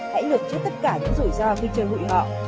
hãy luật trước tất cả những rủi ro khi chơi hụi họ